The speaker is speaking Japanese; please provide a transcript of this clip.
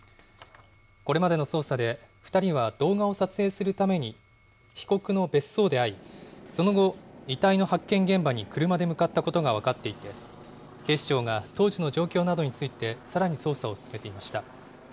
これまでの捜査で、２人は動画を撮影するために、被告の別荘で会い、その後、遺体の発見現場に車で向かったことが分かっていて、警視庁が当時の状況などについて、さらに捜査を進めていました。